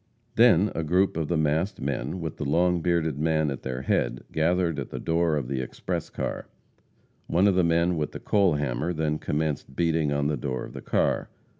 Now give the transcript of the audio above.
Then a group of the masked men, with the long bearded man at their head, gathered at the door of the express car. One of the men with the coal hammer then commenced beating in the door of the car.